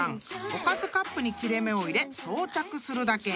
おかずカップに切れ目を入れ装着するだけ］